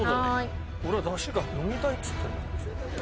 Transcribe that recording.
俺は出汁が飲みたいっつってる。